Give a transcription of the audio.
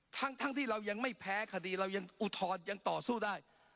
ทั้งที่เรายังไม่แพ้คดีเรายังอุทธรณ์ยังต่อสู้ได้